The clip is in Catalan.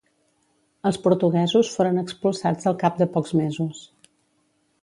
Els portuguesos foren expulsats al cap de pocs mesos.